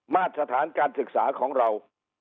มาตรฐานการศึกษาของเรา